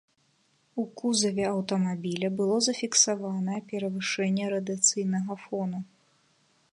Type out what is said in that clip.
У кузаве аўтамабіля было зафіксаванае перавышэнне радыяцыйнага фону.